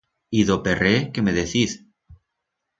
Y d'o perret, qué me deciz?